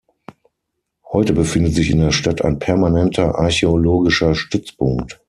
Heute befindet sich in der Stadt ein permanenter archäologischer Stützpunkt.